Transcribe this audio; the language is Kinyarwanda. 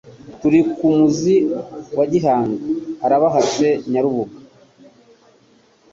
Turi ku muzi wa Gihanga.Arabahetse Inyarubuga,